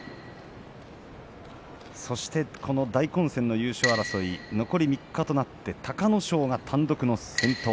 そして、この大混戦の優勝争い残り３日となって隆の勝が単独の先頭。